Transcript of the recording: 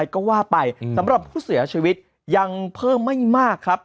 ก็ว่าไปสำหรับผู้เสียชีวิตยังเพิ่มไม่มากครับ